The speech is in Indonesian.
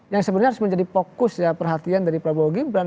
yang sebenarnya harus menjadi fokus ya perhatian dari prabowo gibran